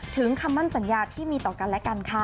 คำมั่นสัญญาที่มีต่อกันและกันค่ะ